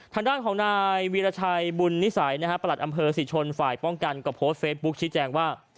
ทางด้านของนายวีรชัยบุญนิสัยนะฮะประหลัดอำเภอศรีชนฝ่ายป้องกันก็โพสต์เฟซบุ๊คชี้แจงว่า